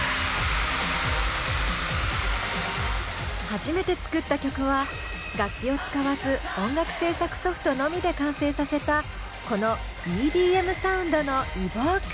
初めて作った曲は楽器を使わず音楽制作ソフトのみで完成させたこのＥＤＭサウンドの「Ｅｖｏｋｅ」。